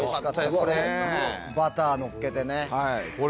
バターのっけてね。